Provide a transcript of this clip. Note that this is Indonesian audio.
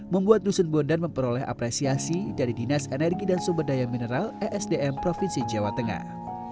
membuat dusun bondan memperoleh apresiasi dari dinas energi dan sumber daya mineral esdm provinsi jawa tengah